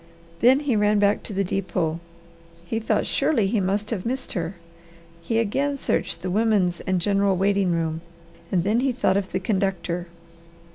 Then he ran back to the depot. He thought surely he must have missed her. He again searched the woman's and general waiting room and then he thought of the conductor.